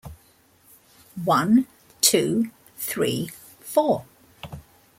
One, two, three, four.